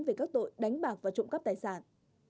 về các tội đánh bạc và trộm cắp tài sản